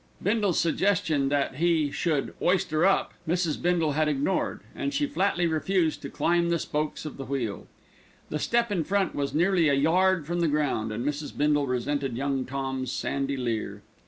Bindle's suggestion that he should "'oist" her up, Mrs. Bindle had ignored, and she flatly refused to climb the spokes of the wheel. The step in front was nearly a yard from the ground, and Mrs. Bindle resented Young Tom's sandy leer.